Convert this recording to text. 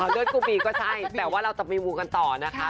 เลือดกุบีก็ใช่แต่ว่าเราจะไปมูกันต่อนะคะ